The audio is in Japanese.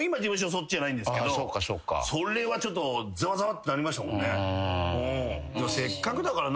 そっちじゃないんですけどそれはちょっとざわざわってなりましたもんね。